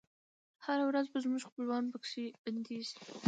هره ورځ به زموږ خپلوان پکښي بندیږی